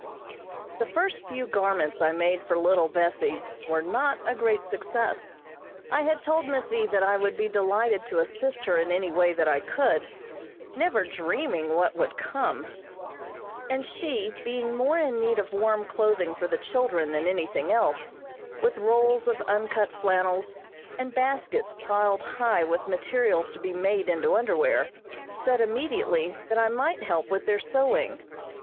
The first few garments I made for Little Bessie were not a great success. I had told Miss E. that I would be delighted to assist her in any way that I could, never dreaming what would come; and she being more in need of warm clothing for the children than anything else, with rolls of uncut flannels, and baskets piled high with materials to be made into underwear, said immediately that I might help with their sewing.